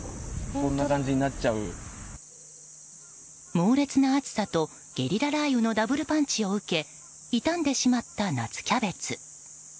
猛烈な暑さとゲリラ雷雨のダブルパンチを受け傷んでしまった夏キャベツ。